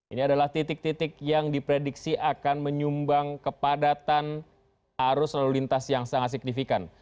ini adalah titik titik yang diprediksi akan menyumbang kepadatan arus lalu lintas yang sangat signifikan